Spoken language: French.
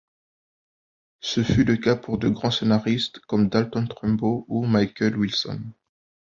Ce fut le cas pour de grands scénaristes comme Dalton Trumbo ou Michael Wilson.